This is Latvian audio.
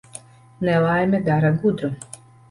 Nelaime dara gudru.